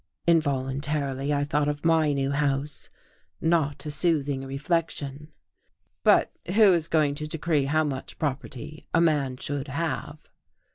Involuntarily I thought of my new house, not a soothing reflection. "But who is going to decree how much property, a man should have?"